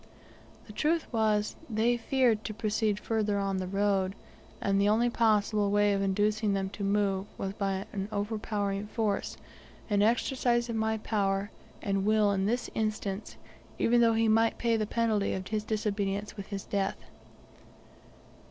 The truth was, they feared to proceed further on the road, and the only possible way of inducing them to move was by an overpowering force, and exercise of my power and will in this instance, even though he might pay the penalty of his disobedience with death.